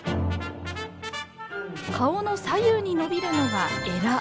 顔の左右に伸びるのがえら。